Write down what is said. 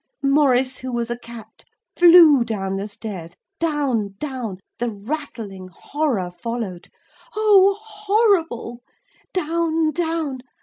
_ Maurice who was a cat flew down the stairs; down, down the rattling horror followed. Oh, horrible! Down, down!